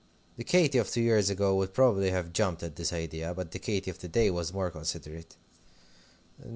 The Katy of two years ago would probably have jumped at this idea. But the Katy of to day was more considerate.